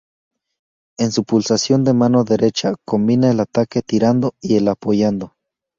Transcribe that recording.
En su pulsación de mano derecha combina el ataque "tirando" y el "apoyando".